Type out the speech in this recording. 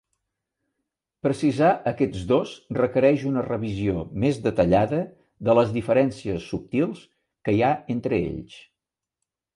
Precisar aquests dos requereix una revisió més detallada de les diferències subtils que hi ha entre ells.